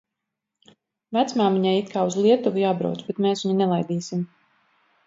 Vecmāmiņai it kā uz Lietuvu jābrauc, bet mēs viņu nelaidīsim.